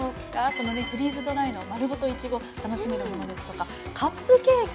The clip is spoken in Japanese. このフリーズドライの丸ごといちごを楽しめるものですとかカップケーキ